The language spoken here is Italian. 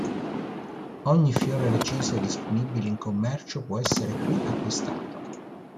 Ogni fiore reciso disponibile in commercio può essere qui acquistato.